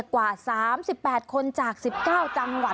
กว่าสามสิบแปดคนจากสิบเก้าจังหวัด